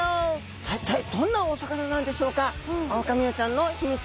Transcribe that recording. さあ一体どんなお魚なんでしょうか。